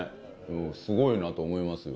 すごいなと思いますよ。